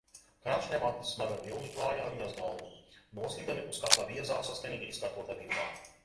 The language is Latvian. Krāšņie mati smagā vilnī klāja viņas galvu, noslīgdami uz kakla biezā, saskanīgi izkārtotā vijumā.